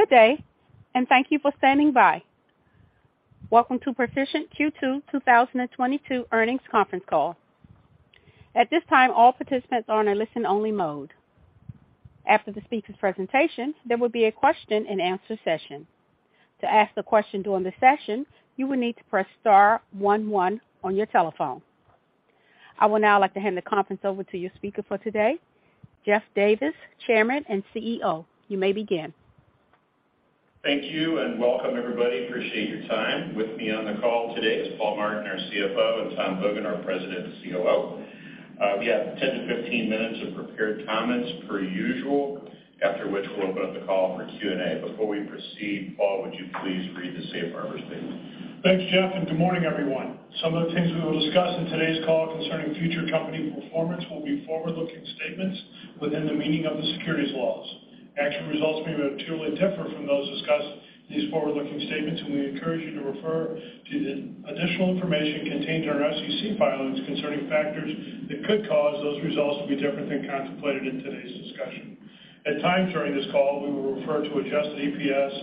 Good day, and thank you for standing by. Welcome to Perficient Q2 2022 earnings conference call. At this time, all participants are in a listen-only mode. After the speaker's presentation, there will be a question-and-answer session. To ask the question during the session, you will need to press star one one on your telephone. I would now like to hand the conference over to your speaker for today, Jeff Davis, Chairman and CEO. You may begin. Thank you, and welcome everybody. Appreciate your time. With me on the call today is Paul Martin, our CFO, and Tom Hogan, our President and COO. We have 10-15 minutes of prepared comments per usual, after which we'll open up the call for Q&A. Before we proceed, Paul, would you please read the safe harbor statement? Thanks, Jeff, and good morning, everyone. Some of the things we will discuss in today's call concerning future company performance will be forward-looking statements within the meaning of the securities laws. Actual results may materially differ from those discussed in these forward-looking statements, and we encourage you to refer to the additional information contained in our SEC filings concerning factors that could cause those results to be different than contemplated in today's discussion. At times during this call, we will refer to adjusted EPS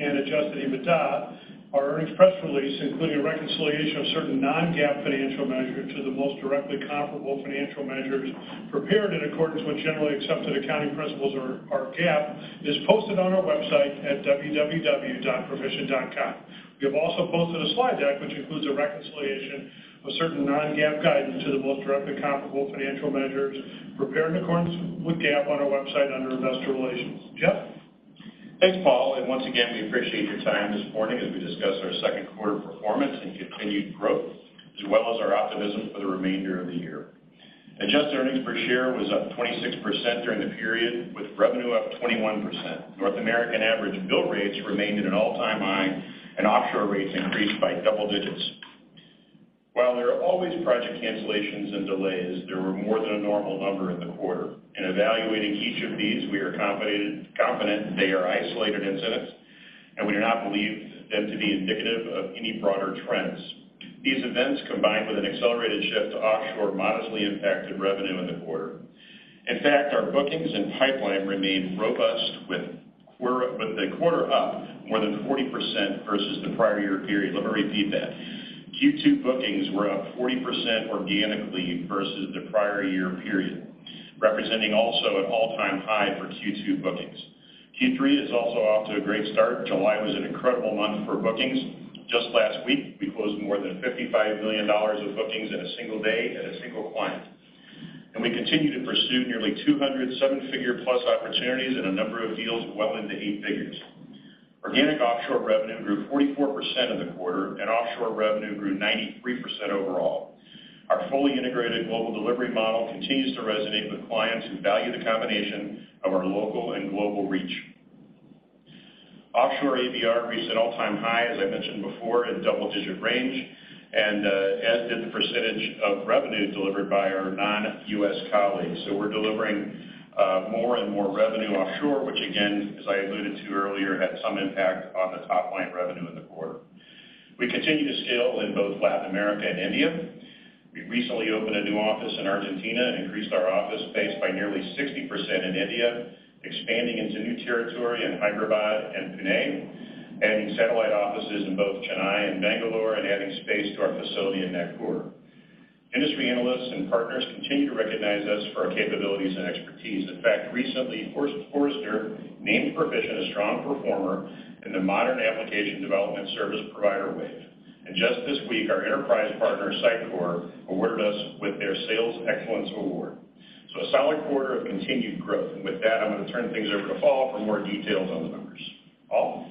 and adjusted EBITDA. Our earnings press release, including a reconciliation of certain non-GAAP financial measures to the most directly comparable financial measures prepared in accordance with generally accepted accounting principles or GAAP, is posted on our website at www.perficient.com. We have also posted a slide deck which includes a reconciliation of certain non-GAAP guidance to the most directly comparable financial measures prepared in accordance with GAAP on our website under Investor Relations. Jeff? Thanks, Paul, and once again, we appreciate your time this morning as we discuss our second quarter performance and continued growth, as well as our optimism for the remainder of the year. Adjusted earnings per share was up 26% during the period, with revenue up 21%. North American average bill rates remained at an all-time high, and offshore rates increased by double digits. While there are always project cancellations and delays, there were more than a normal number in the quarter. In evaluating each of these, we are confident they are isolated incidents, and we do not believe them to be indicative of any broader trends. These events, combined with an accelerated shift to offshore, modestly impacted revenue in the quarter. In fact, our bookings and pipeline remained robust with the quarter up more than 40% versus the prior year period. Let me repeat that. Q2 bookings were up 40% organically versus the prior year period, representing also an all-time high for Q2 bookings. Q3 is also off to a great start. July was an incredible month for bookings. Just last week, we closed more than $55 million of bookings in a single day at a single client. We continue to pursue nearly 200 seven-figure-plus opportunities and a number of deals well into eight figures. Organic offshore revenue grew 44% in the quarter, and offshore revenue grew 93% overall. Our fully integrated global delivery model continues to resonate with clients who value the combination of our local and global reach. Offshore ABR reached an all-time high, as I mentioned before, in double-digit range, and, as did the percentage of revenue delivered by our non-U.S. colleagues. We're delivering more and more revenue offshore, which again, as I alluded to earlier, had some impact on the top line revenue in the quarter. We continue to scale in both Latin America and India. We recently opened a new office in Argentina and increased our office space by nearly 60% in India, expanding into new territory in Hyderabad and Pune, adding satellite offices in both Chennai and Bangalore, and adding space to our facility in Nagpur. Industry analysts and partners continue to recognize us for our capabilities and expertise. In fact, recently, Forrester named Perficient a strong performer in the Modern Application Development Service Provider Wave. Just this week, our enterprise partner, Sitecore, awarded us with their Sales Excellence Award. A solid quarter of continued growth. With that, I'm going to turn things over to Paul for more details on the numbers. Paul?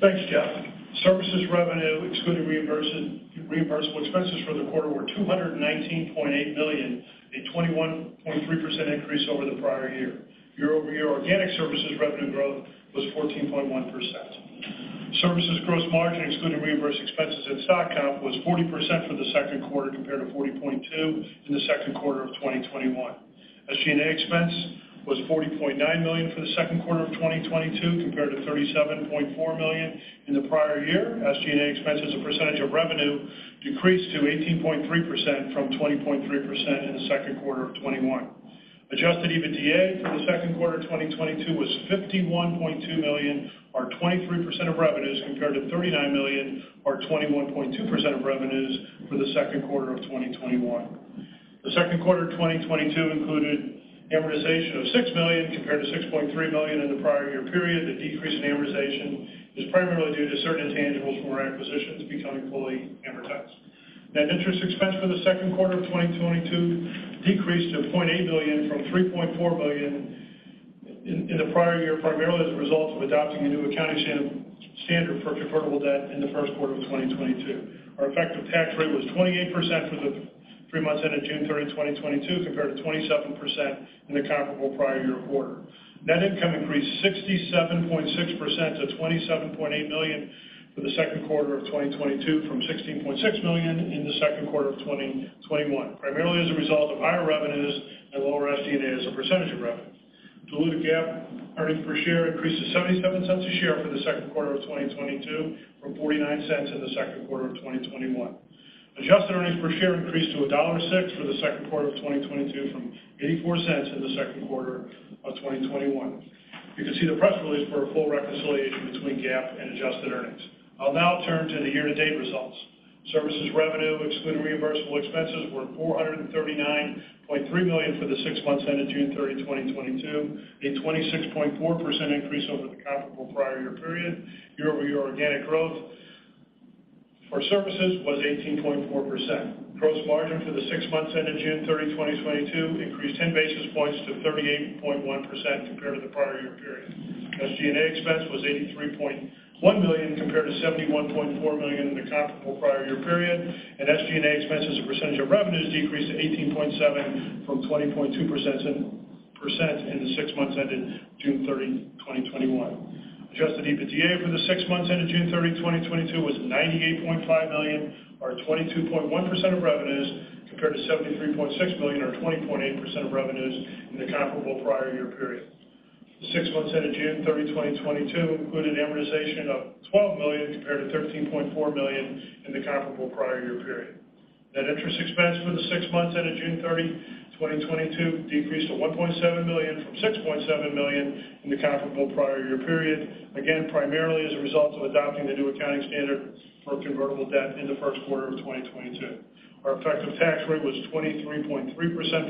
Thanks, Jeff. Services revenue, excluding reimbursable expenses for the quarter, was $219.8 million, a 21.3% increase over the prior year. Year-over-year organic services revenue growth was 14.1%. Services gross margin, excluding reimbursed expenses and stock comp, was 40% for the second quarter, compared to 40.2% in the second quarter of 2021. SG&A expense was $40.9 million for the second quarter of 2022, compared to $37.4 million in the prior year. SG&A expense, as a percentage of revenue, decreased to 18.3% from 20.3% in the second quarter of 2021. Adjusted EBITDA for the second quarter of 2022 was $51.2 million, or 23% of revenues, compared to $39 million, or 21.2% of revenues, for the second quarter of 2021. The second quarter of 2022 included amortization of $6 million, compared to $6.3 million in the prior year period. The decrease in amortization is primarily due to certain intangibles from our acquisitions becoming fully amortized. Net interest expense for the second quarter of 2022 decreased to $0.8 million from $3.4 million in the prior year, primarily as a result of adopting a new accounting standard for convertible debt in the first quarter of 2022. Our effective tax rate was 28% for the three months ended June 30th, 2022, compared to 27% in the comparable prior year quarter. Net income increased 67.6% to $27.8 million for the second quarter of 2022 from $16.6 million in the second quarter of 2021, primarily as a result of higher revenues and lower SG&A as a percentage of revenue. Diluted GAAP earnings per share increased to $0.77 a share for the second quarter of 2022 from $0.49 in the second quarter of 2021. Adjusted earnings per share increased to $1.06 for the second quarter of 2022 from $0.84 in the second quarter of 2021. You can see the press release for a full reconciliation between GAAP and adjusted earnings. I'll now turn to the year-to-date results. Services revenue, excluding reimbursable expenses, were $439.3 million for the six months ended June 30, 2022, a 26.4% increase over the comparable prior year period. Year-over-year organic growth for services was 18.4%. Gross margin for the six months ended June 30, 2022 increased 10 basis points to 38.1% compared to the prior year period. SG&A expense was $83.1 million compared to $71.4 million in the comparable prior year period, and SG&A expense as a percentage of revenues decreased to 18.7% from 20.2% in the six months ended June 30, 2021. Adjusted EBITDA for the six months ended June 30, 2022 was $98.5 million, or 22.1% of revenues, compared to $73.6 million or 20.8% of revenues in the comparable prior year period. The six months ended June 30, 2022 included amortization of $12 million compared to $13.4 million in the comparable prior year period. Net interest expense for the six months ended June 30, 2022 decreased to $1.7 million from $6.7 million in the comparable prior year period, again, primarily as a result of adopting the new accounting standard for convertible debt in the first quarter of 2022. Our effective tax rate was 23.3% for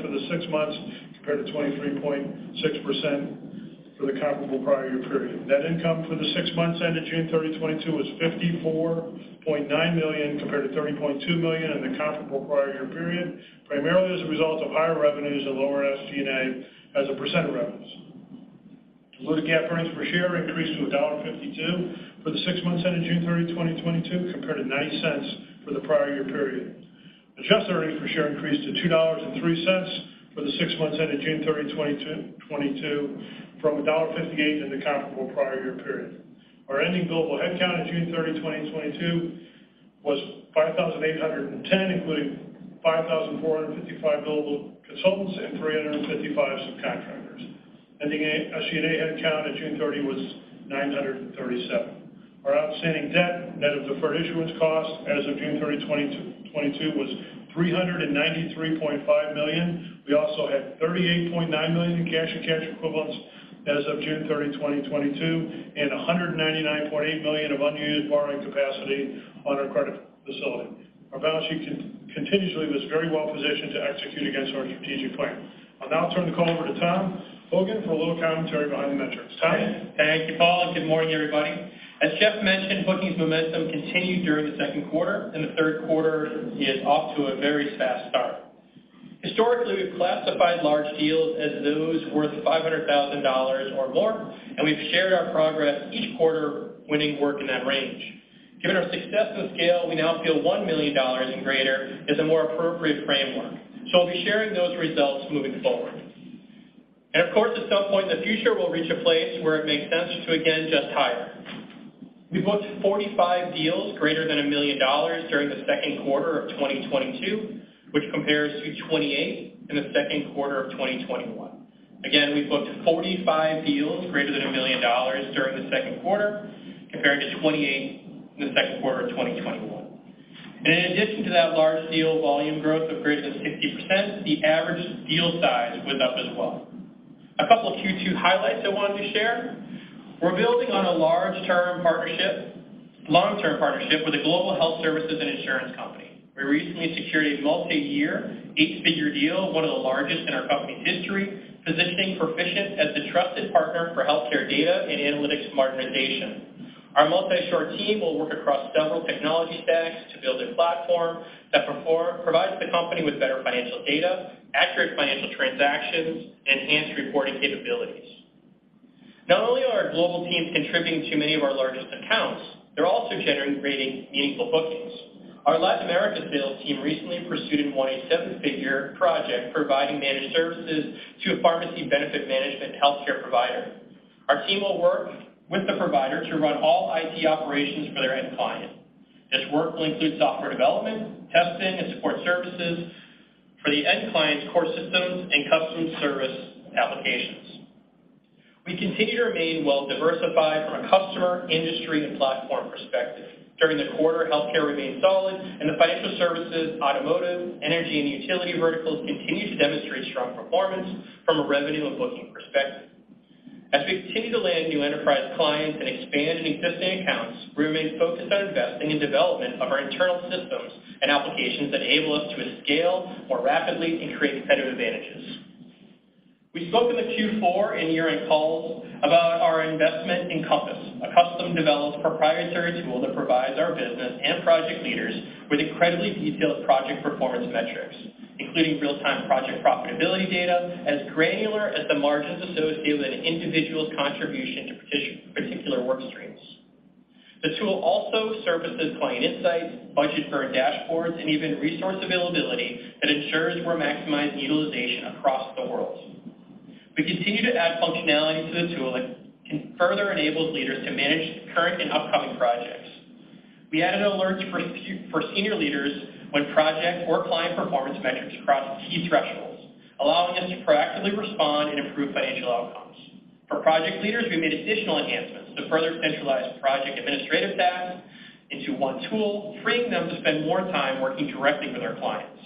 the six months compared to 23.6% for the comparable prior year period. Net income for the six months ended June 30, 2022 was $54.9 million compared to $30.2 million in the comparable prior year period, primarily as a result of higher revenues and lower SG&A as a percent of revenues. Diluted GAAP earnings per share increased to $1.52 for the six months ended June 30, 2022 compared to $0.09 for the prior year period. Adjusted earnings per share increased to $2.03 for the six months ended June 30, 2022 from $1.58 in the comparable prior year period. Our ending billable headcount at June 30, 2022 was 5,810, including 5,455 billable consultants and 355 subcontractors. Ending SG&A headcount at June 30 was 937. Our outstanding debt, net of deferred issuance costs, as of June 30, 2022 was $393.5 million. We also had $38.9 million in cash and cash equivalents as of June 30, 2022, and $199.8 million of unused borrowing capacity on our credit facility. Our balance sheet continuously was very well positioned to execute against our strategic plan. I'll now turn the call over to Tom Hogan for a little commentary behind the metrics. Tom? Thank you, Paul, and good morning, everybody. As Jeff mentioned, bookings momentum continued during the second quarter, and the third quarter is off to a very fast start. Historically, we've classified large deals as those worth $500,000 or more, and we've shared our progress each quarter winning work in that range. Given our success and scale, we now feel $1 million and greater is a more appropriate framework, so we'll be sharing those results moving forward. Of course, at some point in the future, we'll reach a place where it makes sense to again adjust higher. We booked 45 deals greater than $1 million during the second quarter of 2022, which compares to 28 in the second quarter of 2021. Again, we booked 45 deals greater than $1 million during the second quarter compared to 28 in the second quarter of 2021. In addition to that large deal volume growth of greater than 50%, the average deal size was up as well. A couple of Q2 highlights I wanted to share. We're building on a long-term partnership with a global health services and insurance company. We recently secured a multiyear, eight-figure deal, one of the largest in our company's history, positioning Perficient as the trusted partner for healthcare data and analytics modernization. Our multi-shore team will work across several technology stacks to build a platform that provides the company with better financial data, accurate financial transactions, enhanced reporting capabilities. Not only are our global teams contributing to many of our largest accounts, they're also generating meaningful bookings. Our Latin America sales team recently pursued and won a seven-figure project providing managed services to a pharmacy benefit management healthcare provider. Our team will work with the provider to run all IT operations for their end client. This work will include software development, testing, and support services for the end client's core systems and custom service applications. We continue to remain well-diversified from a customer, industry, and platform perspective. During the quarter, healthcare remained solid, and the financial services, automotive, energy, and utility verticals continued to demonstrate strong performance from a revenue and booking perspective. We continue to land new enterprise clients and expand in existing accounts. We remain focused on investing in development of our internal systems and applications that enable us to scale more rapidly and create competitive advantages. We spoke on the Q4 and year-end calls about our investment in Compass, a custom-developed proprietary tool that provides our business and project leaders with incredibly detailed project performance metrics, including real-time project profitability data as granular as the margins associated with an individual's contribution to particular work streams. The tool also surfaces client insights, budget burn dashboards, and even resource availability that ensures we're maximizing utilization across the world. We continue to add functionality to the tool that can further enable leaders to manage current and upcoming projects. We added alerts for senior leaders when project or client performance metrics cross key thresholds, allowing us to proactively respond and improve financial outcomes. For project leaders, we made additional enhancements to further centralize project administrative tasks into one tool, freeing them to spend more time working directly with our clients.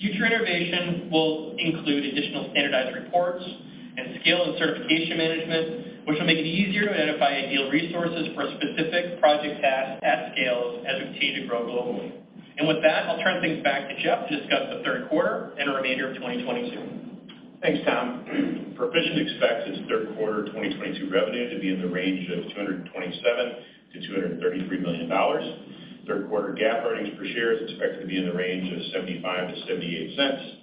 Future innovation will include additional standardized reports and scale and certification management, which will make it easier to identify ideal resources for specific project tasks at scales as we continue to grow globally. With that, I'll turn things back to Jeff to discuss the third quarter and our remainder of 2022. Thanks, Tom. Perficient expects its third quarter 2022 revenue to be in the range of $227 million-$233 million. Third quarter GAAP earnings per share is expected to be in the range of $0.75-$0.78.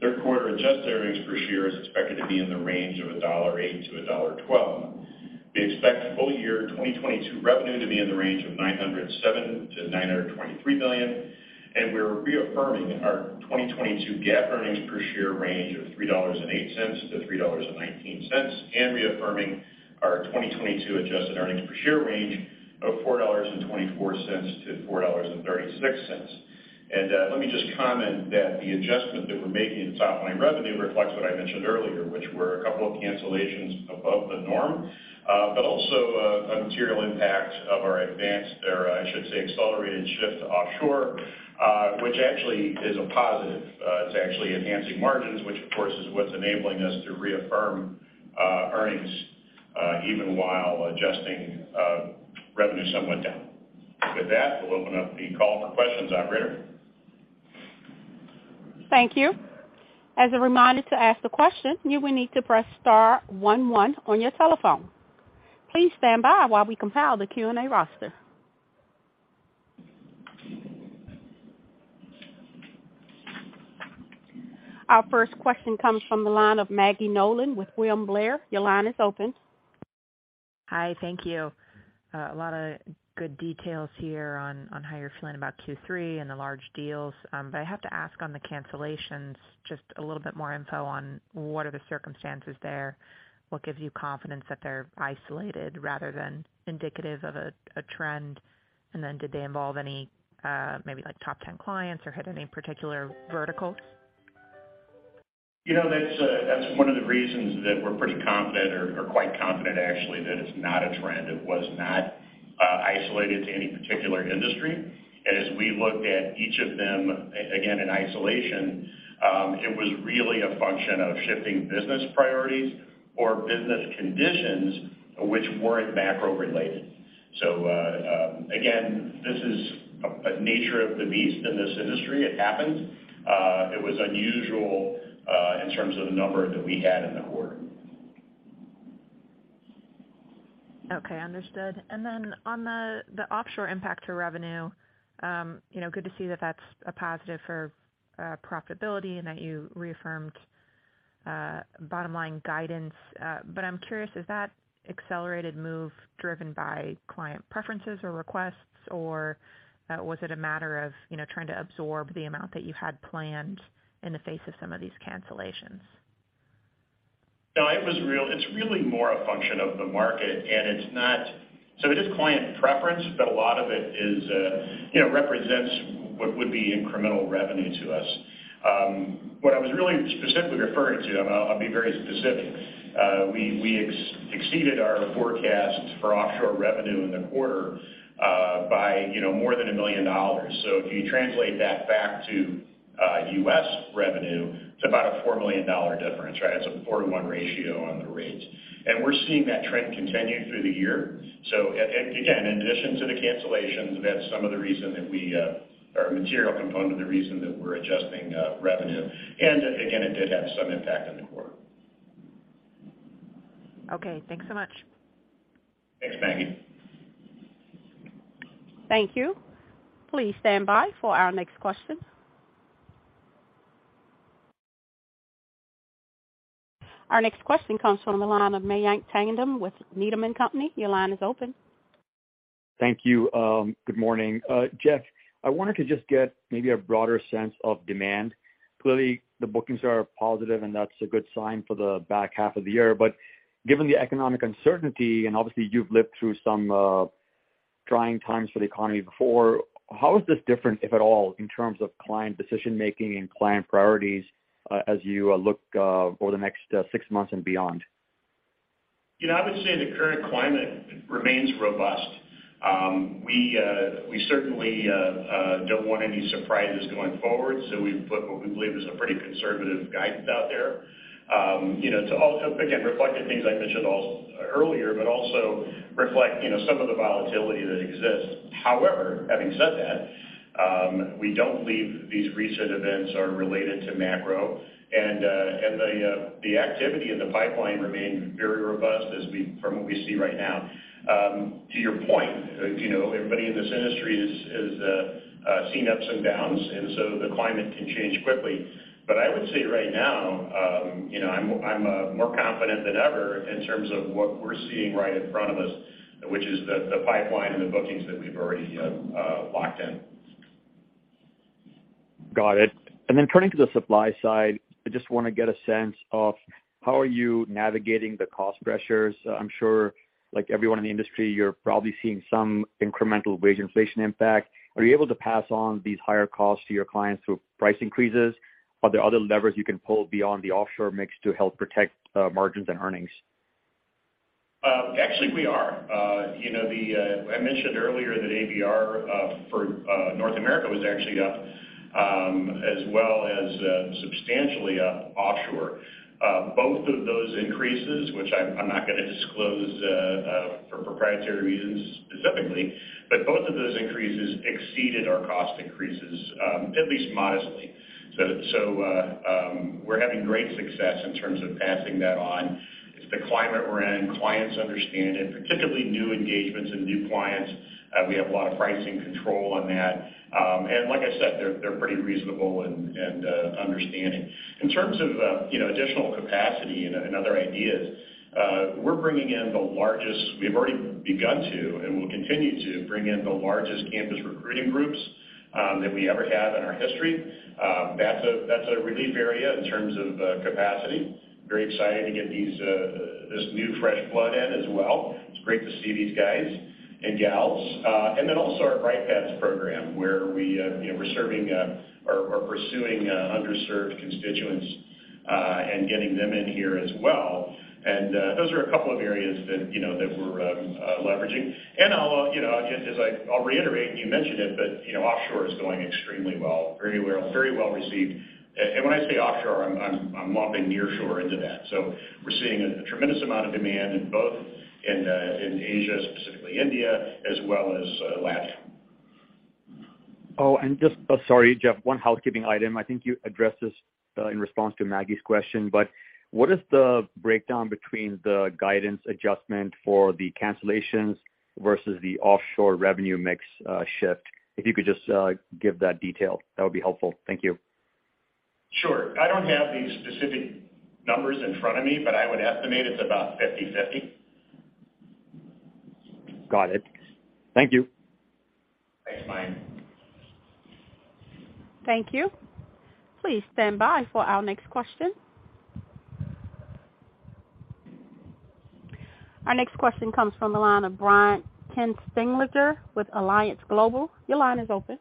Third quarter adjusted earnings per share is expected to be in the range of $1.08-$1.12. We expect full year 2022 revenue to be in the range of $907 million-$923 million. We're reaffirming our 2022 GAAP earnings per share range of $3.08-$3.19, and reaffirming our 2022 adjusted earnings per share range of $4.24-$4.36. Let me just comment that the adjustment that we're making in top line revenue reflects what I mentioned earlier, which were a couple of cancellations above the norm, but also a material impact of our accelerated shift to offshore, which actually is a positive. It's actually enhancing margins, which, of course, is what's enabling us to reaffirm earnings, even while adjusting revenue somewhat down. With that, we'll open up the call for questions, operator. Thank you. As a reminder to ask the question, you will need to press star one one on your telephone. Please stand by while we compile the Q&A roster. Our first question comes from the line of Maggie Nolan with William Blair. Your line is open. Hi. Thank you. A lot of good details here on how you're feeling about Q3 and the large deals. I have to ask on the cancellations, just a little bit more info on what are the circumstances there. What gives you confidence that they're isolated rather than indicative of a trend? Did they involve any maybe, like, top ten clients or hit any particular verticals? You know, that's one of the reasons that we're pretty confident or quite confident actually, that it's not a trend. It was not isolated to any particular industry. As we looked at each of them, again, in isolation, it was really a function of shifting business priorities or business conditions which weren't macro related. Again, this is a nature of the beast in this industry. It happens. It was unusual in terms of the number that we had in the quarter. Okay. Understood. On the offshore impact to revenue, you know, good to see that that's a positive for profitability and that you reaffirmed bottom line guidance. But I'm curious, is that accelerated move driven by client preferences or requests, or was it a matter of, you know, trying to absorb the amount that you had planned in the face of some of these cancellations? It's really more a function of the market, and it's not so it is client preference, but a lot of it is, you know, represents what would be incremental revenue to us. What I was really specifically referring to, and I'll be very specific, we exceeded our forecast for offshore revenue in the quarter by, you know, more than $1 million. If you translate that back to U.S. revenue, it's about a $4 million difference, right? It's a 4:1 ratio on the rate. We're seeing that trend continue through the year. Again, in addition to the cancellations, that's some of the reason that we or a material component of the reason that we're adjusting revenue. Again, it did have some impact in the quarter. Okay. Thanks so much. Thanks, Maggie. Thank you. Please stand by for our next question. Our next question comes from the line of Mayank Tandon with Needham & Company. Your line is open. Thank you. Good morning. Jeff, I wanted to just get maybe a broader sense of demand. Clearly, the bookings are positive, and that's a good sign for the back half of the year. But given the economic uncertainty, and obviously you've lived through some trying times for the economy before, how is this different, if at all, in terms of client decision-making and client priorities, as you look over the next six months and beyond? You know, I would say the current climate remains robust. We certainly don't want any surprises going forward, so we've put what we believe is a pretty conservative guidance out there. You know, to also, again, reflect the things I mentioned earlier, but also reflect, you know, some of the volatility that exists. However, having said that, we don't believe these recent events are related to macro. The activity in the pipeline remains very robust from what we see right now. To your point, you know, everybody in this industry has seen ups and downs, and so the climate can change quickly. I would say right now, you know, I'm more confident than ever in terms of what we're seeing right in front of us, which is the pipeline and the bookings that we've already locked in. Got it. Turning to the supply side, I just wanna get a sense of how are you navigating the cost pressures. I'm sure, like everyone in the industry, you're probably seeing some incremental wage inflation impact. Are you able to pass on these higher costs to your clients through price increases? Are there other levers you can pull beyond the offshore mix to help protect margins and earnings? Actually we are. You know, the... I mentioned earlier that ABR for North America was actually up, as well as substantially up offshore. Both of those increases, which I'm not gonna disclose for proprietary reasons specifically, but both of those increases exceeded our cost increases, at least modestly. We're having great success in terms of passing that on. It's the climate we're in. Clients understand it, particularly new engagements and new clients, we have a lot of pricing control on that. And like I said, they're pretty reasonable and understanding. In terms of you know, additional capacity and other ideas, we're bringing in the largest... We've already begun to and will continue to bring in the largest campus recruiting groups that we ever have in our history. That's a relief area in terms of capacity. Very exciting to get this new fresh blood in as well. It's great to see these guys and gals. Then also our Bright Paths program where we, you know, we're serving or pursuing underserved constituents and getting them in here as well. Those are a couple of areas that, you know, that we're leveraging. I'll, you know, reiterate, you mentioned it, but, you know, offshore is going extremely well. Very well received. When I say offshore, I'm lumping nearshore into that. We're seeing a tremendous amount of demand in both Asia, specifically India, as well as Latin. Oh, just. Sorry, Jeff, one housekeeping item. I think you addressed this in response to Maggie's question, but what is the breakdown between the guidance adjustment for the cancellations versus the offshore revenue mix shift? If you could just give that detail, that would be helpful. Thank you. Sure. I don't have the specific numbers in front of me, but I would estimate it's about 50/50. Got it. Thank you. Thanks, Mayank. Thank you. Please stand by for our next question. Our next question comes from the line of Brian Kinstlinger with Alliance Global. Your line is open.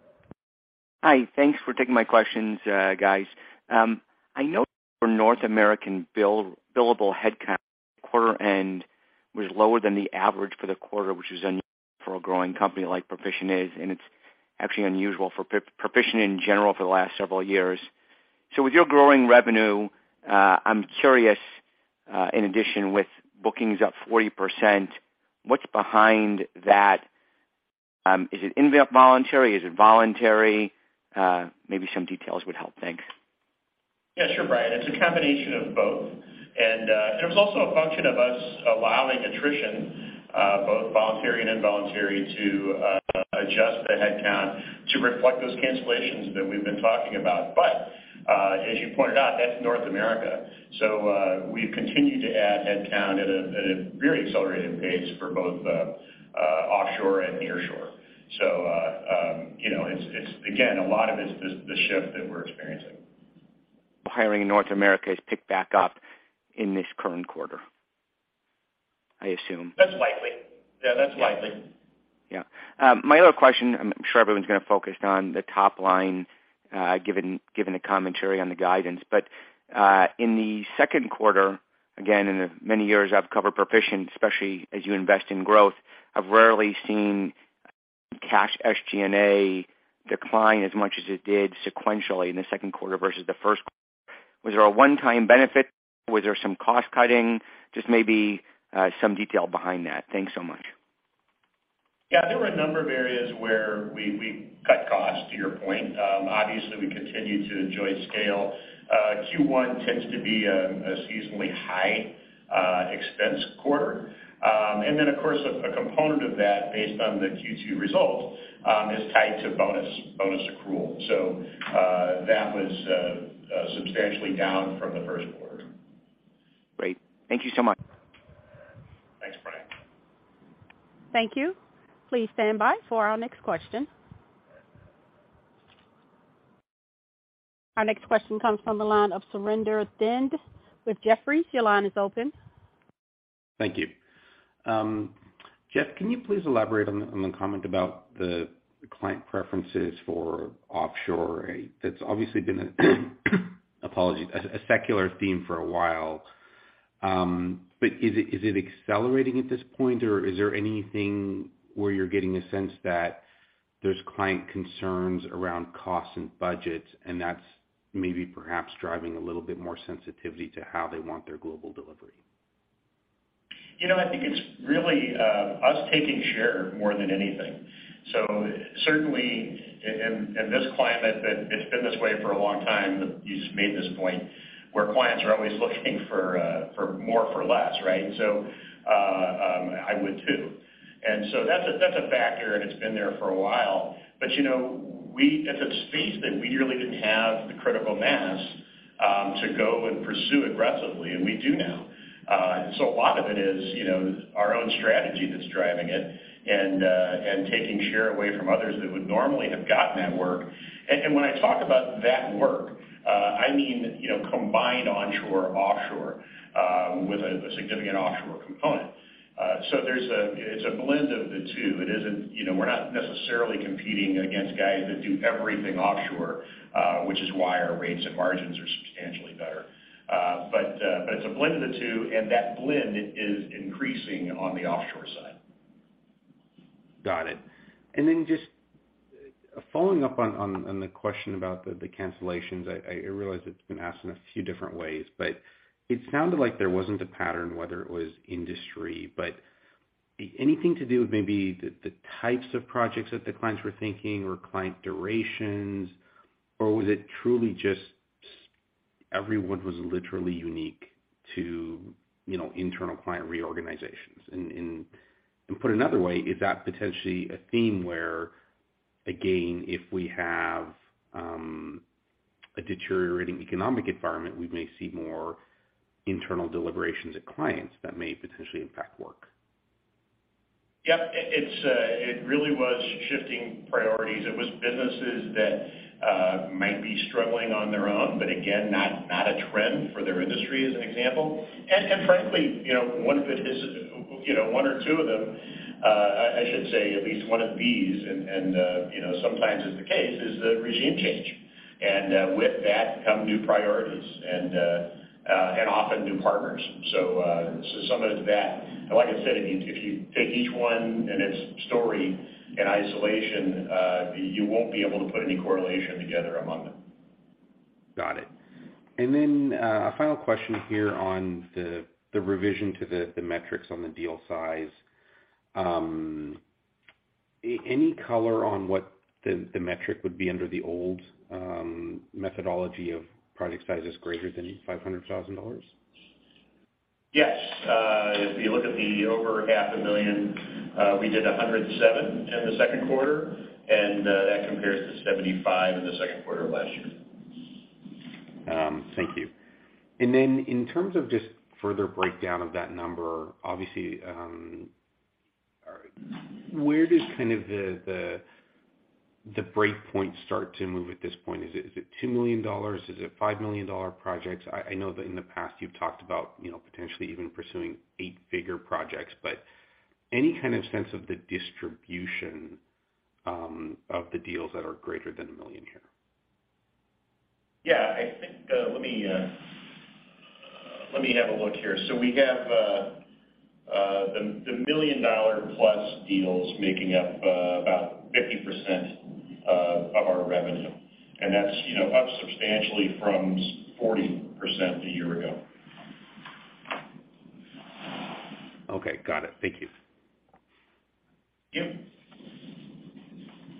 Hi. Thanks for taking my questions, guys. I know for North American billable headcount, quarter end was lower than the average for the quarter, which is unusual for a growing company like Perficient is, and it's actually unusual for Perficient in general for the last several years. With your growing revenue, I'm curious, in addition with bookings up 40%, what's behind that? Is it involuntary? Is it voluntary? Maybe some details would help. Thanks. Yeah, sure, Brian. It's a combination of both. There was also a function of us allowing attrition, both voluntary and involuntary, to adjust the headcount to reflect those cancellations that we've been talking about. As you pointed out, that's North America. We've continued to add headcount at a very accelerated pace for both offshore and nearshore. You know, it's. Again, a lot of it's the shift that we're experiencing. Hiring in North America has picked back up in this current quarter, I assume. That's likely. Yeah, that's likely. Yeah. My other question, I'm sure everyone's gonna focus on the top line, given the commentary on the guidance. In the second quarter, again, in the many years I've covered Perficient, especially as you invest in growth, I've rarely seen cash SG&A decline as much as it did sequentially in the second quarter versus the first quarter. Was there a one-time benefit? Was there some cost-cutting? Just maybe, some detail behind that. Thanks so much. Yeah. There were a number of areas where we cut costs, to your point. Obviously, we continue to enjoy scale. Q1 tends to be a seasonally high expense quarter. Of course, a component of that based on the Q2 results is tied to bonus accrual. That was substantially down from the first quarter. Great. Thank you so much. Thanks, Brian. Thank you. Please stand by for our next question. Our next question comes from the line of Surinder Thind with Jefferies. Your line is open. Thank you. Jeff, can you please elaborate on the comment about the client preferences for offshore? It's obviously been a secular theme for a while. Is it accelerating at this point, or is there anything where you're getting a sense that there's client concerns around costs and budgets, and that's maybe perhaps driving a little bit more sensitivity to how they want their global delivery? You know, I think it's really us taking share more than anything. Certainly in this climate that it's been this way for a long time, you've made this point, where clients are always looking for more for less, right? I would too. That's a factor, and it's been there for a while. You know, it's a space that we really didn't have the critical mass to go and pursue aggressively, and we do now. A lot of it is, you know, our own strategy that's driving it and taking share away from others that would normally have gotten that work. When I talk about that work, I mean, you know, combined onshore, offshore, with a significant offshore component. It's a blend of the two. You know, we're not necessarily competing against guys that do everything offshore, which is why our rates and margins are substantially better. It's a blend of the two, and that blend is increasing on the offshore side. Got it. Then just following up on the question about the cancellations. I realize it's been asked in a few different ways, but it sounded like there wasn't a pattern, whether it was industry, but anything to do with maybe the types of projects that the clients were thinking or client durations, or was it truly just everyone was literally unique to, you know, internal client reorganizations? Put another way, is that potentially a theme where, again, if we have a deteriorating economic environment, we may see more internal deliberations of clients that may potentially impact work? Yeah, it really was shifting priorities. It was businesses that might be struggling on their own, but again, not a trend for their industry, as an example. Frankly, you know, one of it is, you know, one or two of them, I should say at least one of these, you know, sometimes is the case, the regime change. With that come new priorities and often new partners. Some of it's that. Like I said, if you take each one and its story in isolation, you won't be able to put any correlation together among them. Got it. A final question here on the revision to the metrics on the deal size. Any color on what the metric would be under the old methodology of project sizes greater than $500,000? Yes. If you look at the over $500,000, we did 107 in the second quarter, and that compares to 75 in the second quarter of last year. Thank you. In terms of just further breakdown of that number, obviously, where does kind of the breakpoint start to move at this point? Is it $2 million? Is it $5 million-dollar projects? I know that in the past you've talked about, you know, potentially even pursuing eight-figure projects, but any kind of sense of the distribution of the deals that are greater than $1 million here? Yeah, I think, let me have a look here. We have the $1 million+ deals making up about 50% of our revenue, and that's, you know, up substantially from 40% a year ago. Okay, got it. Thank you. Yep.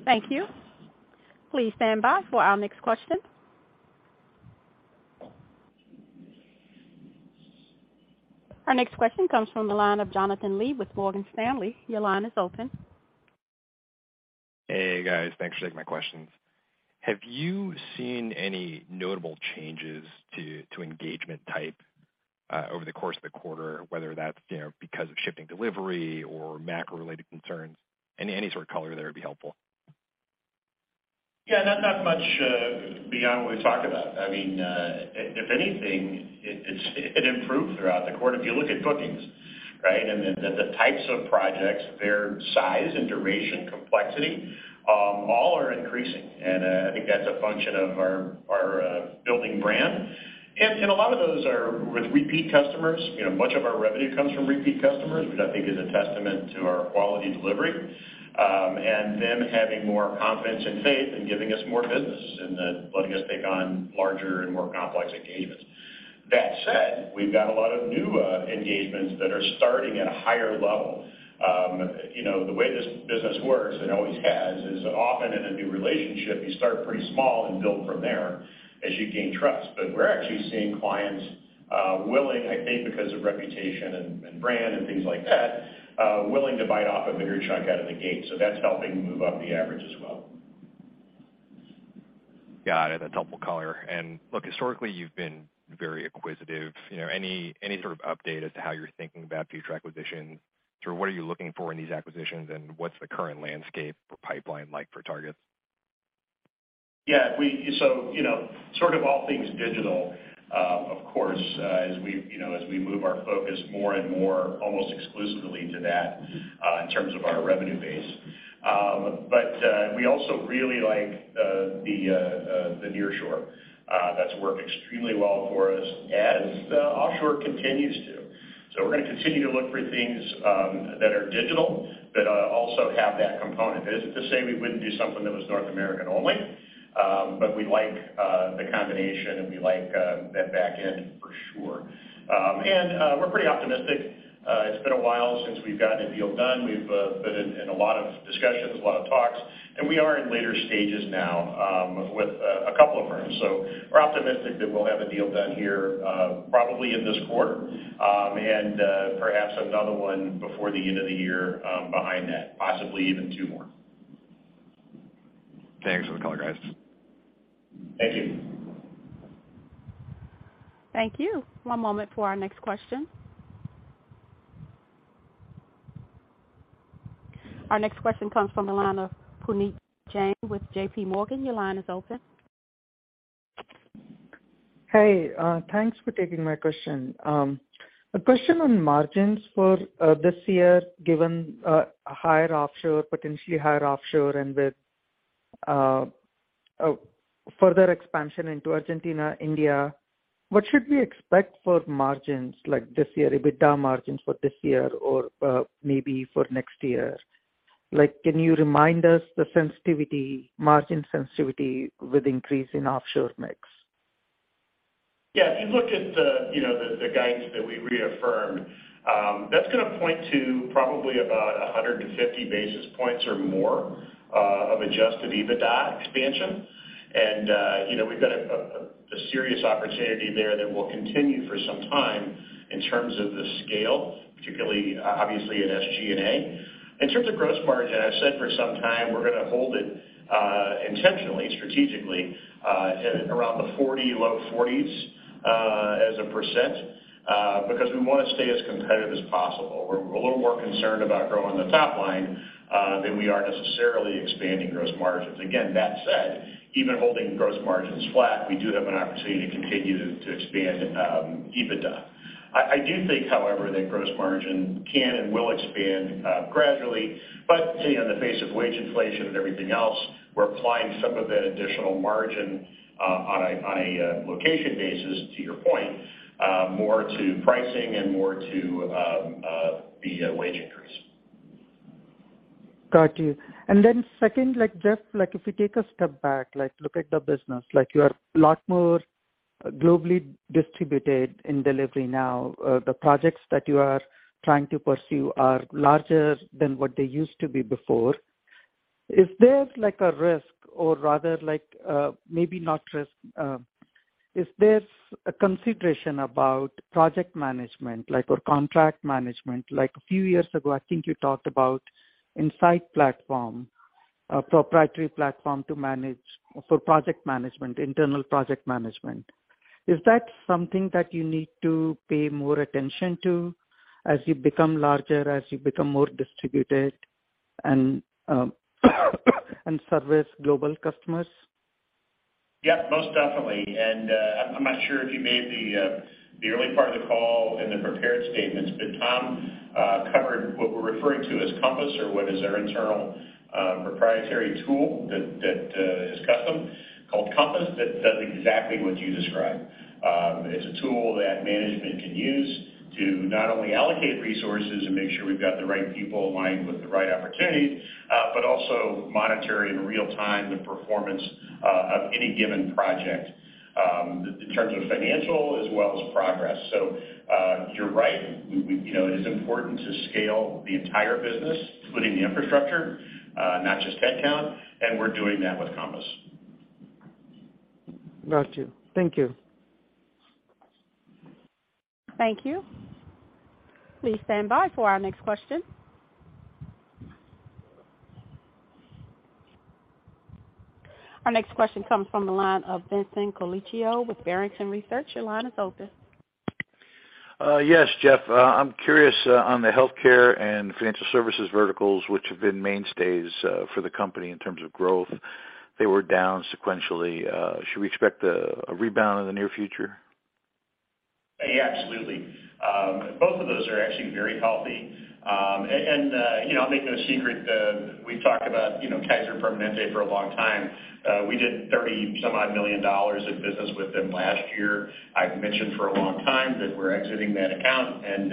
Thank you. Please stand by for our next question. Our next question comes from the line of Jonathan Lee with Morgan Stanley. Your line is open. Hey, guys. Thanks for taking my questions. Have you seen any notable changes to engagement type over the course of the quarter, whether that's, you know, because of shifting delivery or macro-related concerns? Any sort of color there would be helpful. Yeah. Not much beyond what we talked about. I mean, if anything, it's improved throughout the quarter. If you look at bookings, right, and the types of projects, their size and duration, complexity, all are increasing. I think that's a function of our building brand. A lot of those are with repeat customers. You know, much of our revenue comes from repeat customers, which I think is a testament to our quality delivery, and them having more confidence and faith in giving us more business and then letting us take on larger and more complex engagements. That said, we've got a lot of new engagements that are starting at a higher level. You know, the way this business works, and always has, is often in a new relationship, you start pretty small and build from there as you gain trust. We're actually seeing clients willing, I think because of reputation and brand and things like that, willing to bite off a bigger chunk out of the gate. That's helping move up the average as well. Got it. That's helpful color. Look, historically, you've been very acquisitive. You know, any sort of update as to how you're thinking about future acquisitions? Sort of what are you looking for in these acquisitions, and what's the current landscape or pipeline like for targets? Yeah. You know, sort of all things digital, of course, as we, you know, as we move our focus more and more almost exclusively to that in terms of our revenue base. We also really like the nearshore. That's worked extremely well for us as the offshore continues to. We're gonna continue to look for things that are digital that also have that component. That isn't to say we wouldn't do something that was North American only, but we like the combination, and we like that back end for sure. We're pretty optimistic. It's been a while since we've gotten a deal done. We've been in a lot of discussions, a lot of talks, and we are in later stages now, with a couple of firms. We're optimistic that we'll have a deal done here, probably in this quarter, and perhaps another one before the end of the year, behind that, possibly even two more. Thanks for the color, guys. Thank you. Thank you. One moment for our next question. Our next question comes from the line of Puneet Jain with JPMorgan. Your line is open. Hey, thanks for taking my question. A question on margins for this year, given higher offshore, potentially higher offshore and with a further expansion into Argentina, India, what should we expect for margins like this year, EBITDA margins for this year or maybe for next year? Like, can you remind us the sensitivity, margin sensitivity with increase in offshore mix? Yeah. If you look at the, you know, the guidance that we reaffirmed, that's gonna point to probably about 150 basis points or more of adjusted EBITDA expansion. You know, we've got a serious opportunity there that will continue for some time in terms of the scale, particularly obviously in SG&A. In terms of gross margin, I've said for some time we're gonna hold it intentionally, strategically at around 40%, low 40%s, because we wanna stay as competitive as possible. We're a little more concerned about growing the top line than we are necessarily expanding gross margins. Again, that said, even holding gross margins flat, we do have an opportunity to continue to expand EBITDA. I do think, however, that gross margin can and will expand gradually. You know, in the face of wage inflation and everything else, we're applying some of that additional margin on a location basis, to your point, more to pricing and more to the wage increase. Got you. Second, like, Jeff, like if you take a step back, like look at the business, like you are a lot more globally distributed in delivery now. The projects that you are trying to pursue are larger than what they used to be before. Is there like a risk or rather like, maybe not risk. Is there a consideration about project management, like, or contract management? Like a few years ago, I think you talked about Insight platform, a proprietary platform for project management, internal project management. Is that something that you need to pay more attention to as you become larger, as you become more distributed and service global customers? Yeah, most definitely. I'm not sure if you made the early part of the call in the prepared statements, but Tom covered what we're referring to as Compass or what is our internal proprietary tool that is custom called Compass that does exactly what you described. It's a tool that management can use to not only allocate resources and make sure we've got the right people aligned with the right opportunities, but also monitor in real time the performance of any given project in terms of financial as well as progress. You're right. You know, it is important to scale the entire business, including the infrastructure, not just headcount, and we're doing that with Compass. Got you. Thank you. Thank you. Please stand by for our next question. Our next question comes from the line of Vincent Colicchio with Barrington Research. Your line is open. Yes, Jeff. I'm curious on the healthcare and financial services verticals, which have been mainstays for the company in terms of growth. They were down sequentially. Should we expect a rebound in the near future? Yeah, absolutely. Both of those are actually very healthy. You know, I make no secret, we've talked about, you know, Kaiser Permanente for a long time. We did $30-some-odd million in business with them last year. I've mentioned for a long time that we're exiting that account, and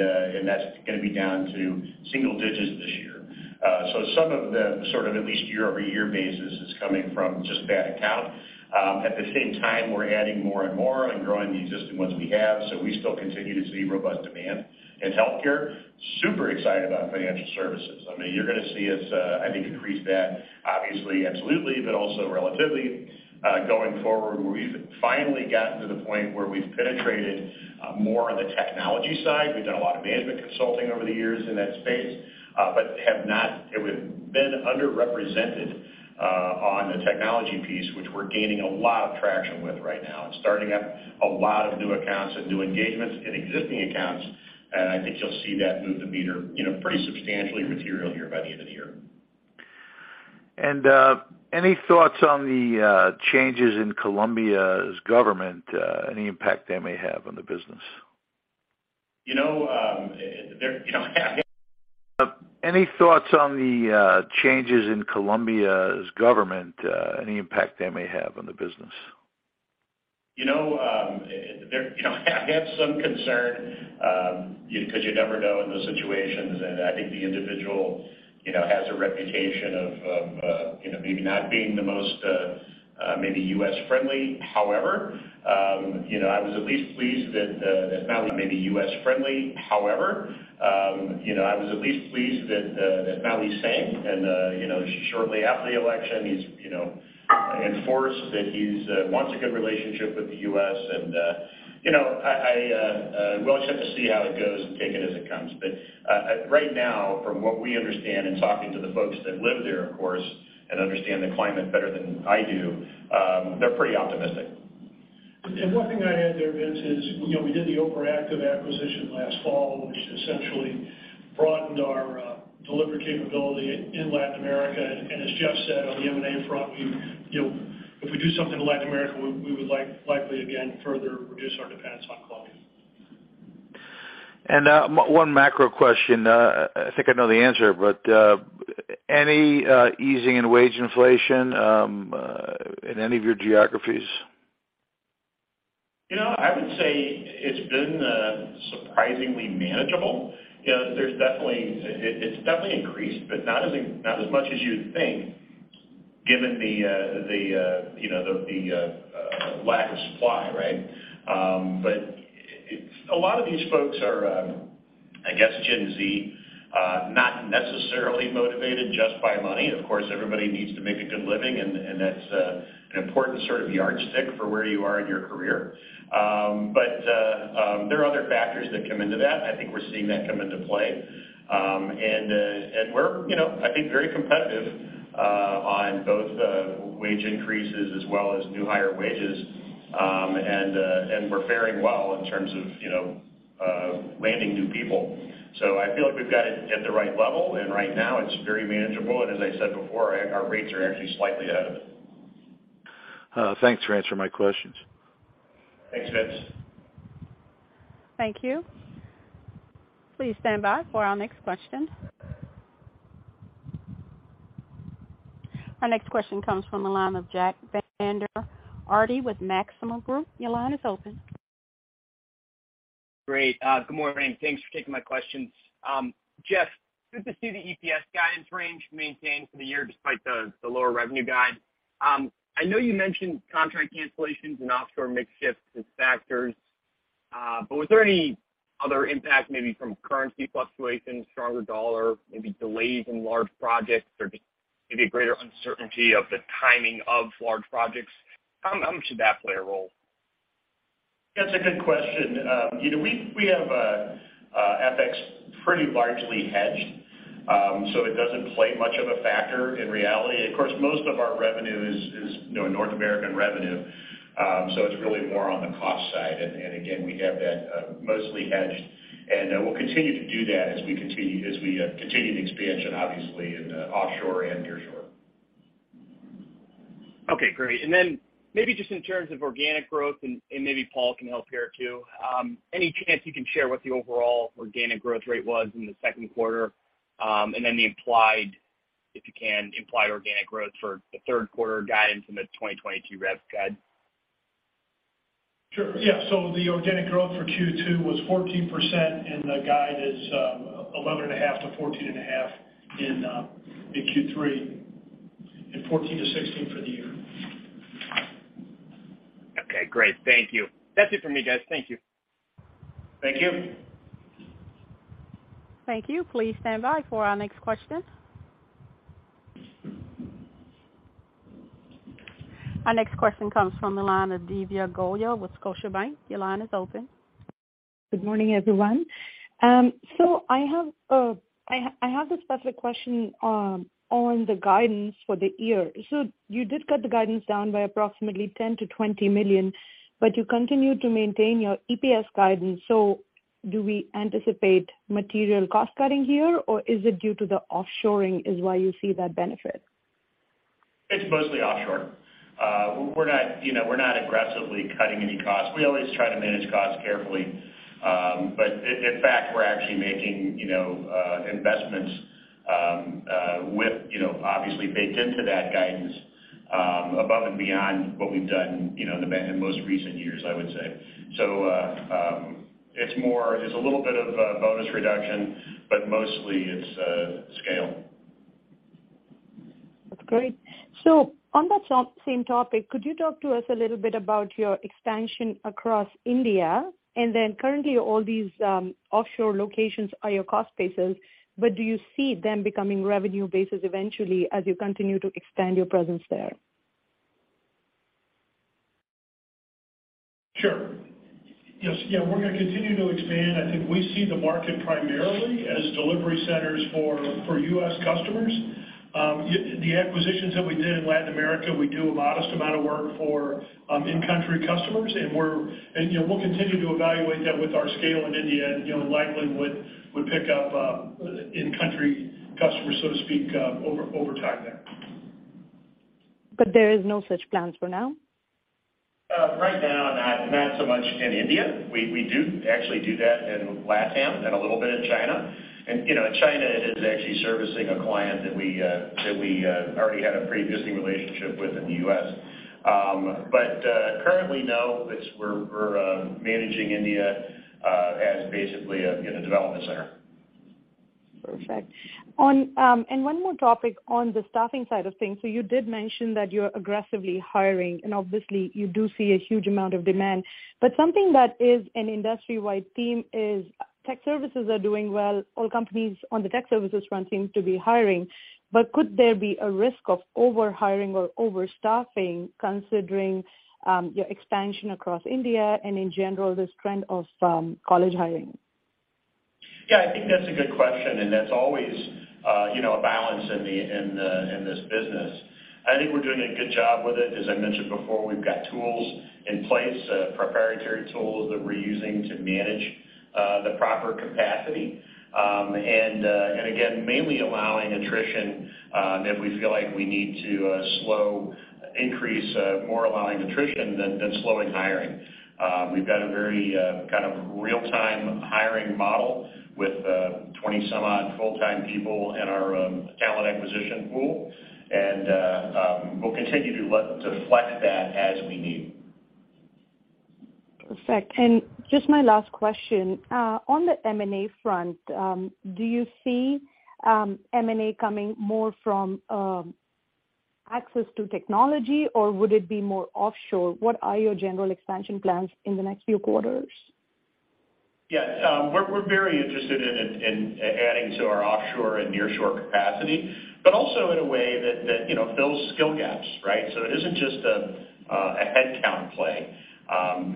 that's gonna be down to single digits this year. Some of the sort of at least year-over-year basis is coming from just that account. At the same time, we're adding more and more and growing the existing ones we have, so we still continue to see robust demand in healthcare. Super excited about financial services. I mean, you're gonna see us, I think increase that obviously absolutely, but also relatively, going forward, where we've finally gotten to the point where we've penetrated more of the technology side. We've done a lot of management consulting over the years in that space, but have been underrepresented on the technology piece, which we're gaining a lot of traction with right now and starting up a lot of new accounts and new engagements in existing accounts. I think you'll see that move the meter, you know, pretty substantially material here by the end of the year. Any thoughts on the changes in Colombia's government, any impact they may have on the business? You know, there, you know. Any thoughts on the changes in Colombia's government, any impact they may have on the business? You know, you know, I have some concern, 'cause you never know in those situations. I think the individual, you know, has a reputation of, you know, maybe not being the most, maybe U.S. friendly. However, you know, I was at least pleased that now he's maybe U.S. friendly. However, you know, I was at least pleased that now he's saying and, you know, shortly after the election, he's, you know, announced that he wants a good relationship with the U.S. you know, we'll just have to see how it goes and take it as it comes. Right now, from what we understand in talking to the folks that live there, of course, and understand the climate better than I do, they're pretty optimistic. One thing I'd add there, Vince, is, you know, we did the Overactive acquisition last fall, which essentially broadened our delivery capability in Latin America. As Jeff said on the M&A front, you know, if we do something in Latin America, we would likely again further reduce our dependence on Colombia. One macro question. I think I know the answer, but any easing in wage inflation in any of your geographies? You know, I would say it's been surprisingly manageable. You know, it's definitely increased, but not as much as you'd think given the you know, the lack of supply, right? A lot of these folks are I guess Gen Z not necessarily motivated just by money. Of course, everybody needs to make a good living and that's an important sort of yardstick for where you are in your career. There are other factors that come into that. I think we're seeing that come into play. We're you know, I think very competitive on both wage increases as well as new hire wages. We're faring well in terms of you know, landing new people. I feel like we've got it at the right level, and right now it's very manageable. as I said before, our rates are actually slightly ahead of it. Thanks for answering my questions. Thanks, Vince. Thank you. Please stand by for our next question. Our next question comes from the line of Jack Vander Aarde with Maxim Group. Your line is open. Great. Good morning. Thanks for taking my questions. Jeff, good to see the EPS guidance range maintained for the year despite the lower revenue guide. I know you mentioned contract cancellations and offshore mix shifts as factors. Was there any other impact maybe from currency fluctuations, stronger dollar, maybe delays in large projects or just maybe a greater uncertainty of the timing of large projects? How much did that play a role? That's a good question. You know, we have FX pretty largely hedged, so it doesn't play much of a factor in reality. Of course, most of our revenue is, you know, North American revenue, so it's really more on the cost side. Again, we have that mostly hedged, and we'll continue to do that as we continue the expansion, obviously in the offshore and nearshore. Okay, great. Maybe just in terms of organic growth, and maybe Paul can help here too. Any chance you can share what the overall organic growth rate was in the second quarter? And then the implied, if you can, organic growth for the third quarter guidance and the 2022 rev guide. Sure, yeah. The organic growth for Q2 was 14%, and the guide is 11.5%-14.5% in Q3 and 14%-16% for the year. Okay, great. Thank you. That's it for me, guys. Thank you. Thank you. Thank you. Please stand by for our next question. Our next question comes from the line of Divya Goyal with Scotiabank. Your line is open. Good morning, everyone. I have a specific question on the guidance for the year. You did cut the guidance down by approximately $10 million-$20 million, but you continued to maintain your EPS guidance. Do we anticipate material cost-cutting here, or is it due to the offshoring is why you see that benefit? It's mostly offshore. We're not, you know, we're not aggressively cutting any costs. We always try to manage costs carefully. In fact, we're actually making, you know, investments with, you know, obviously baked into that guidance, above and beyond what we've done, you know, in most recent years, I would say. It's more, it's a little bit of a bonus reduction, but mostly it's scale. That's great. On that same topic, could you talk to us a little bit about your expansion across India? Currently all these offshore locations are your cost bases, but do you see them becoming revenue bases eventually as you continue to expand your presence there? Sure. Yes. Yeah, we're gonna continue to expand. I think we see the market primarily as delivery centers for U.S. customers. The acquisitions that we did in Latin America, we do a modest amount of work for in-country customers, and you know, we'll continue to evaluate that with our scale in India and, you know, likely would pick up in-country customers, so to speak, over time there. There is no such plans for now? Right now, not so much in India. We do actually do that in LATAM and a little bit in China. You know, China is actually servicing a client that we already had a pre-existing relationship with in the US. Currently, no, we're managing India as basically a, you know, development center. Perfect. On and one more topic on the staffing side of things. You did mention that you're aggressively hiring, and obviously you do see a huge amount of demand. Something that is an industry-wide theme is tech services are doing well. All companies on the tech services front seem to be hiring. Could there be a risk of over-hiring or over-staffing considering your expansion across India and in general, this trend of college hiring? Yeah, I think that's a good question, and that's always, you know, a balance in the business. I think we're doing a good job with it. As I mentioned before, we've got tools in place, proprietary tools that we're using to manage the proper capacity. Again, mainly allowing attrition if we feel like we need to slow increase, more allowing attrition than slowing hiring. We've got a very kind of real-time hiring model with 20-some-odd full-time people in our talent acquisition pool. We'll continue to flex that as we need. Perfect. Just my last question. On the M&A front, do you see M&A coming more from access to technology or would it be more offshore? What are your general expansion plans in the next few quarters? Yeah. We're very interested in adding to our offshore and nearshore capacity, but also in a way that you know fills skill gaps, right? It isn't just a headcount play.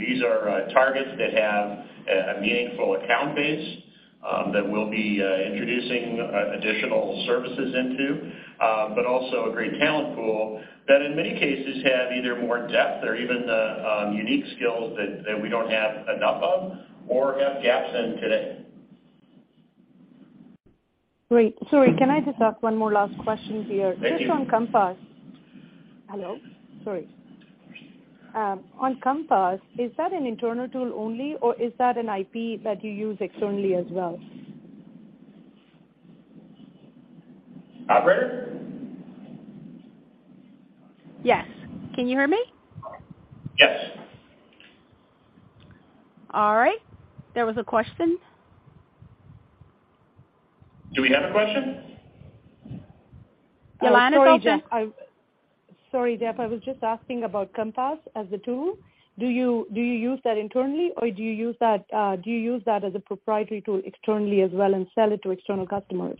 These are targets that have a meaningful account base that we'll be introducing additional services into, but also a great talent pool that in many cases have either more depth or even unique skills that we don't have enough of or have gaps in today. Great. Sorry, can I just ask one more last question here? Sure. Just on Compass. Hello? Sorry. On Compass, is that an internal tool only or is that an IP that you use externally as well? Operator? Yes. Can you hear me? Yes. All right. There was a question. Do we have a question? The line is open. Sorry, Jeff. I was just asking about Compass as a tool. Do you use that internally or do you use that as a proprietary tool externally as well and sell it to external customers?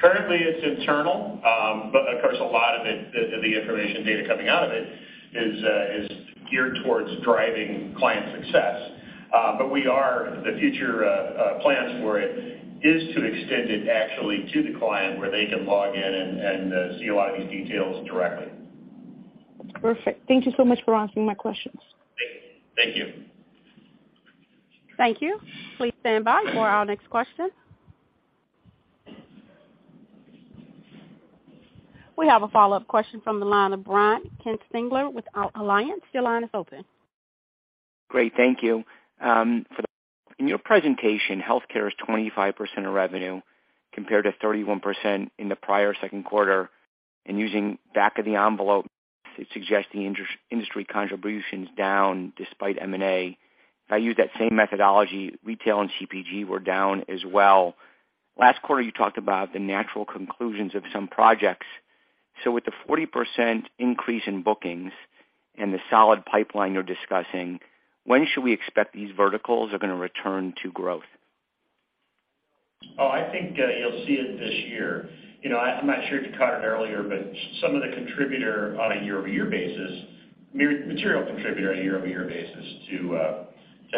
Currently it's internal. Of course a lot of it, the information data coming out of it is geared toward driving client success. The future plans for it is to extend it actually to the client where they can log in and see a lot of these details directly. Perfect. Thank you so much for answering my questions. Thank you. Thank you. Please stand by for our next question. We have a follow-up question from the line of Brian Kinstlinger with Alliance. Your line is open. Great. Thank you. In your presentation, healthcare is 25% of revenue compared to 31% in the prior second quarter. Using back-of-the-envelope, it suggests the industry contribution is down despite M&A. If I use that same methodology, retail and CPG were down as well. Last quarter you talked about the natural conclusions of some projects. With the 40% increase in bookings and the solid pipeline you're discussing, when should we expect these verticals are gonna return to growth? Oh, I think you'll see it this year. You know, I'm not sure if you caught it earlier, but some of the material contributor on a year-over-year basis to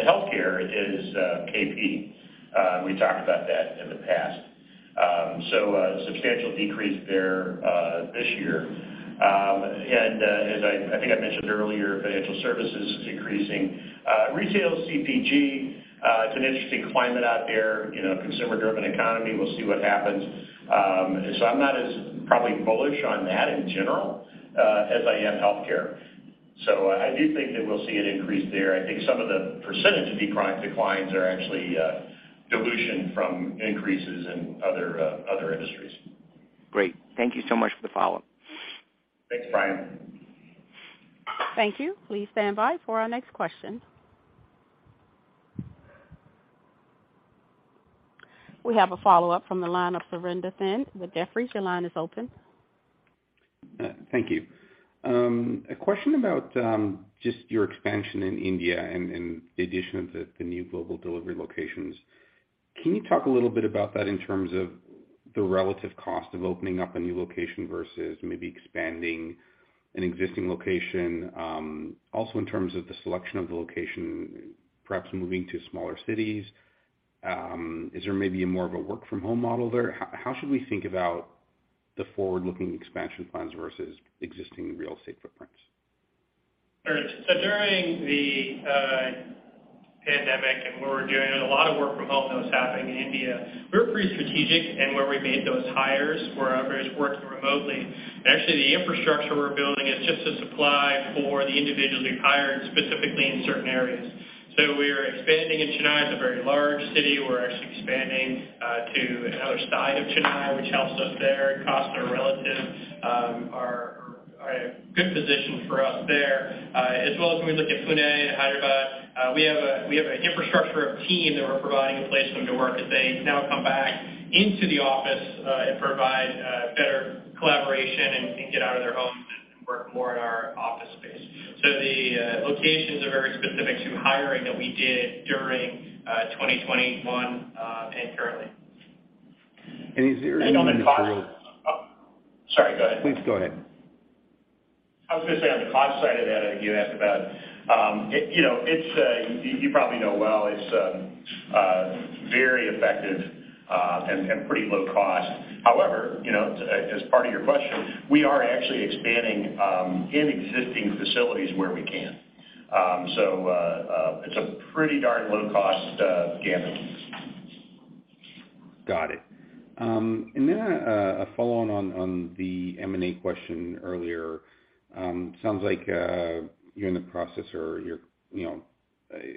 healthcare is KP. We talked about that in the past. Substantial decrease there this year. As I think I mentioned earlier, financial services is increasing. Retail CPG, it's an interesting climate out there, you know, consumer driven economy. We'll see what happens. I'm probably not as bullish on that in general as I am on healthcare. I do think that we'll see an increase there. I think some of the percentage declines are actually dilution from increases in other industries. Great. Thank you so much for the follow-up. Thanks, Brian. Thank you. Please stand by for our next question. We have a follow-up from the line of Surinder Thind with Jefferies. Your line is open. Thank you. A question about just your expansion in India and the addition of the new global delivery locations. Can you talk a little bit about that in terms of the relative cost of opening up a new location versus maybe expanding an existing location? Also in terms of the selection of the location, perhaps moving to smaller cities, is there maybe more of a work from home model there? How should we think about the forward-looking expansion plans versus existing real estate footprints? Sure. During the pandemic and when we were doing a lot of work from home that was happening in India, we were pretty strategic in where we made those hires, where everybody's working remotely. Actually, the infrastructure we're building is just to support the individuals we've hired specifically in certain areas. We are expanding in Chennai. It's a very large city. We're actually expanding to another side of Chennai which helps us there. Costs are relative. They are in a good position for us there. As well as when we look at Pune and Hyderabad, we have an infrastructure for the team that we're providing a place for them to work as they now come back into the office and provide better collaboration and get out of their homes and work more in our office space. The locations are very specific to hiring that we did during 2021 and currently. Is there any? On the cost- Oh, sorry, go ahead. Please go ahead. I was gonna say on the cost side of that, I think you asked about it, you know, you probably know well, it's very effective and pretty low cost. However, you know, as part of your question, we are actually expanding in existing facilities where we can. It's a pretty darn low cost canvas. Got it. A follow-on on the M&A question earlier. Sounds like you're in the process or you're, you know,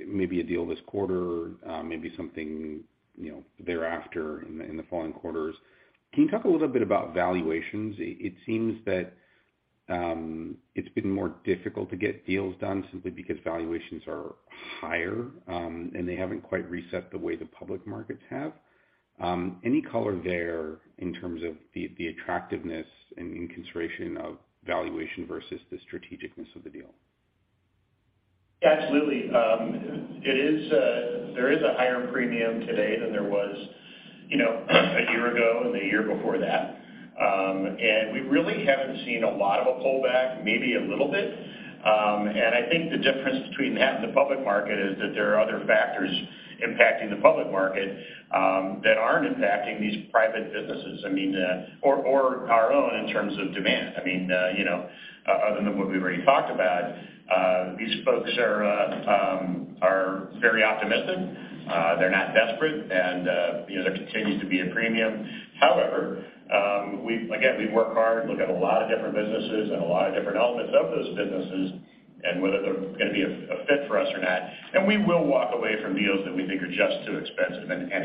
maybe a deal this quarter, maybe something, you know, thereafter in the following quarters. Can you talk a little bit about valuations? It seems that it's been more difficult to get deals done simply because valuations are higher, and they haven't quite reset the way the public markets have. Any color there in terms of the attractiveness and in consideration of valuation versus the strategic-ness of the deal? Yeah, absolutely. There is a higher premium today than there was, you know, a year ago and the year before that. We really haven't seen a lot of a pullback, maybe a little bit. I think the difference between that and the public market is that there are other factors impacting the public market that aren't impacting these private businesses. I mean, or our own in terms of demand. I mean, you know, other than what we've already talked about, these folks are very optimistic. They're not desperate and, you know, there continues to be a premium. However, again, we work hard, look at a lot of different businesses and a lot of different elements of those businesses and whether they're gonna be a fit for us or not. We will walk away from deals that we think are just too expensive and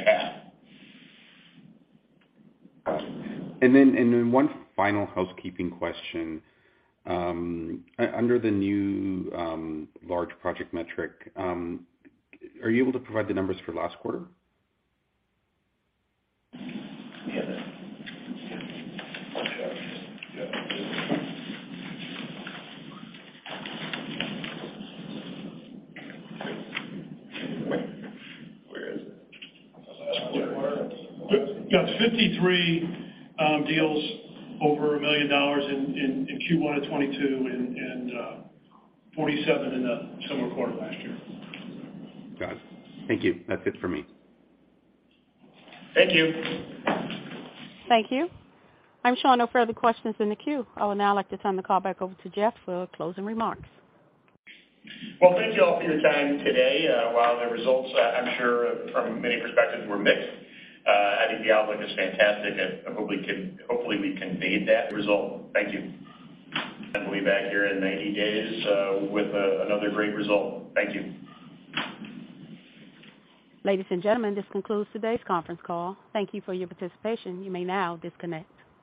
have. One final housekeeping question. Under the new large project metric, are you able to provide the numbers for last quarter? Got 53 deals over $1 million in Q1 of 2022 and 47 in the similar quarter last year. Got it. Thank you. That's it for me. Thank you. Thank you. I'm showing no further questions in the queue. I would now like to turn the call back over to Jeff for closing remarks. Well, thank you all for your time today. While the results, I'm sure from many perspectives were mixed, I think the outlook is fantastic and hopefully we can fade that result. Thank you. We'll be back here in 90 days with another great result. Thank you. Ladies and gentlemen, this concludes today's conference call. Thank you for your participation. You may now disconnect.